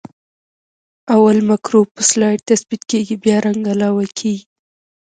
اول مکروب په سلایډ تثبیت کیږي بیا رنګ علاوه کیږي.